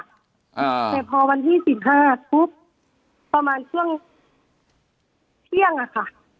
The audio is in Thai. แต่พอวันที่๑๕ประมาณช่วงเที่ยงค่ะ